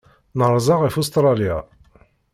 Nerza ɣef Ustṛalya.